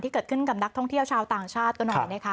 เกิดขึ้นกับนักท่องเที่ยวชาวต่างชาติกันหน่อยนะคะ